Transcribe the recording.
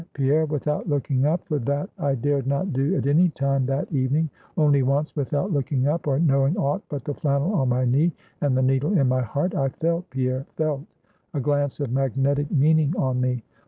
Pierre! without looking up for that I dared not do at any time that evening only once without looking up, or knowing aught but the flannel on my knee, and the needle in my heart, I felt, Pierre, felt a glance of magnetic meaning on me.